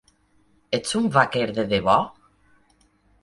Ets un vaquer de debò?